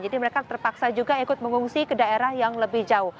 jadi mereka terpaksa juga ikut mengungsi ke daerah yang lebih jauh